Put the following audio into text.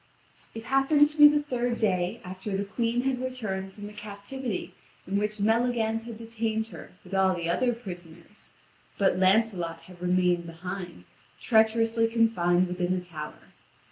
It happened to be the third day after the Queen had returned from the captivity in which Maleagant had detained her with all the other prisoners; but Lancelot had remained behind, treacherously confined within a tower.